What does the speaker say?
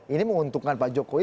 ini menguntungkan pak jokowi